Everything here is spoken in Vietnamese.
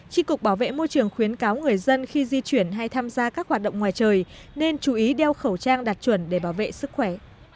tri cục bảo vệ môi trường khuyến cáo người dân khi di chuyển hay tham gia các hoạt động ngoài trời nên chú ý đeo khẩu trang đạt chuẩn để bảo vệ sức khỏe